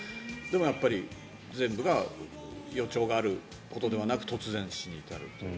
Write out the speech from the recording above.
全部が予兆があることではなく突然死に至るという。